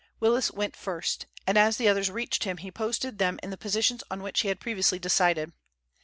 Willis went first, and as the others reached him he posted them in the positions on which he had previously decided.